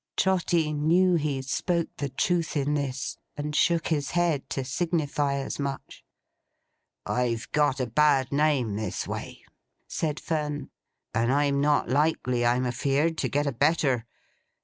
Trotty knew he spoke the Truth in this, and shook his head to signify as much. 'I've got a bad name this way,' said Fern; 'and I'm not likely, I'm afeared, to get a better.